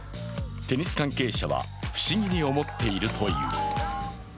テニス関係者は不思議に思っているという。